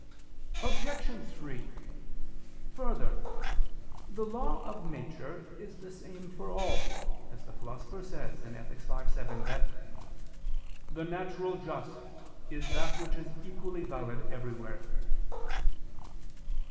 Obj. 3: Further, the law of nature is the same for all; since the Philosopher says (Ethic. v, 7) that "the natural just is that which is equally valid everywhere."